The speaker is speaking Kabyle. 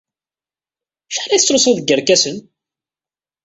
Acḥal ay tettlusuḍ deg yerkasen?